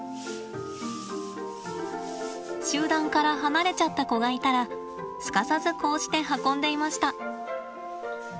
集団から離れちゃった子がいたらすかさずこうして運んでいました。